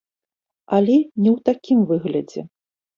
Але не ў такім выглядзе.